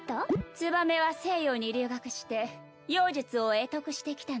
つばめは西洋に留学して妖術を会得してきたのじゃ。